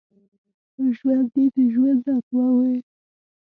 ژوندي د ژوند نغمه وايي